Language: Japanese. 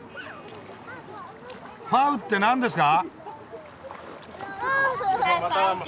ファウってなんですか？